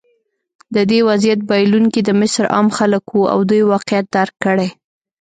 د دې وضعیت بایلونکي د مصر عام خلک وو او دوی واقعیت درک کړی.